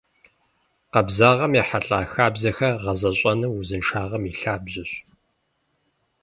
Къабзагъэм ехьэлӏа хабзэхэр гъэзэщӏэныр узыншагъэм и лъабжьэщ.